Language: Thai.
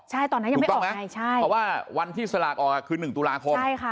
ใช่ตอนนั้นยังไม่ออกนะเพราะว่าวันที่สลากออกคือ๑ตุลาคมใช่ค่ะ